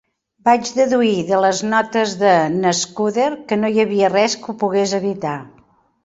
Vaig deduir de les notes de n'Scudder que no hi havia res que ho pogués evitar.